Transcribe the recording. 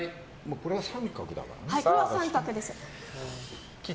これは三角だからね。